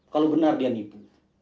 kalau benar dia menipu